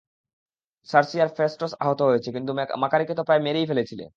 সার্সি আর ফ্যাসটস আহত হয়েছে, কিন্তু মাকারিকে তো প্রায় মেরেই ফেলেছিলে।